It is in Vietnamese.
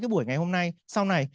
cái buổi ngày hôm nay sau này